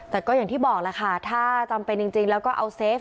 แต่ก็อย่างที่บอกแหละค่ะถ้าจำเป็นจริงแล้วก็เอาเซฟ